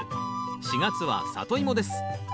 ４月は「サトイモ」です。